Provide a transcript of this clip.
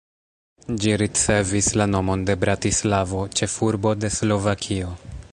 Ĝi ricevis la nomon de Bratislavo, ĉefurbo de Slovakio.